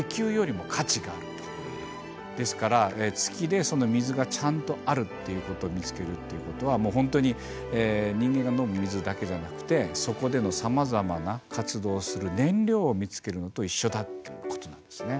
ですから月でその水がちゃんとあるということを見つけるということはもう本当に人間が飲む水だけじゃなくてそこでのさまざまな活動をする燃料を見つけるのと一緒だっていうことなんですね。